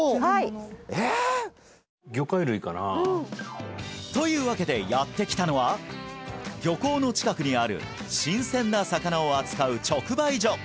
はい魚介類かな？というわけでやって来たのは漁港の近くにある新鮮な魚を扱う直売所